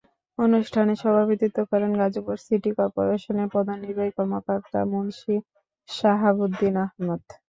অনুষ্ঠানে সভাপতিত্ব করেন গাজীপুর সিটি করপোরেশনের প্রধান নির্বাহী কর্মকর্তা মুনশী শাহাবুদ্দীন আহমেদ।